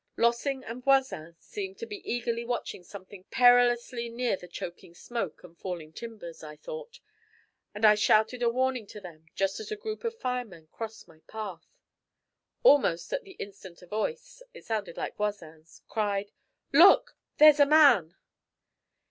Lossing and Voisin seemed to be eagerly watching something perilously near the choking smoke and falling timbers, I thought, and I shouted a warning to them just as a group of firemen crossed my path. Almost at the instant a voice it sounded like Voisin's cried: 'Look! there's a man!'